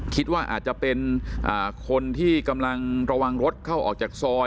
คิดว่าอาจจะเป็นคนที่กำลังระวังรถเข้าออกจากซอย